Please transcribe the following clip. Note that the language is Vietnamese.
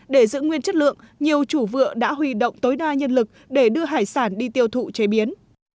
để giữ nguyên chất lượng nhiều chủ vựa đã huy động tối đa nhân lực để đưa hải sản đi tiêu thụ chế biến